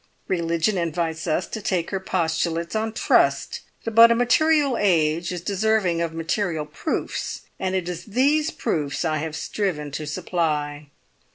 Religion invites us to take her postulates on trust; but a material age is deserving of material proofs, and it is these proofs I have striven to supply.